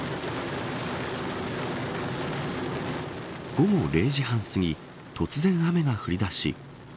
午後０時半すぎ突然雨が降り出し